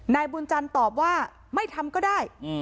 นายบุญจันทร์ตอบว่าไม่ทำก็ได้